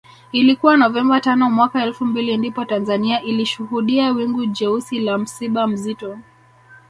Ilikuwa Novemba tano mwaka elfu mbili ndipo Tanzania ilishuhudia wingu jeusi la msiba mzito